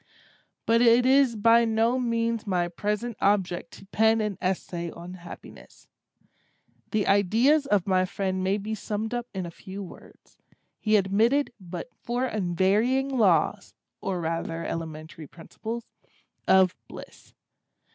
But it is by no means my present object to pen an essay on Happiness. The ideas of my friend may be summed up in a few words. He admitted but four unvarying laws, or rather elementary principles, of Bliss.